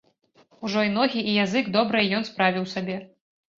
Ужо і ногі, і язык добрыя ён справіў сабе.